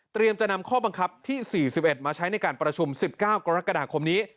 จะนำข้อบังคับที่๔๑มาใช้ในการประชุม๑๙กรกฎาคมนี้